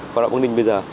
vào lọng băng đinh bây giờ